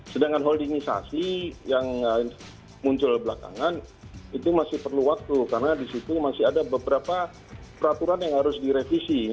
sedangkan holdingisasi yang muncul belakangan itu masih perlu waktu karena di situ masih ada beberapa peraturan yang harus direvisi